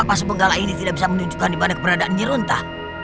kenapa pasu benggala ini tidak bisa menunjukkan dimana keberadaan nyirunta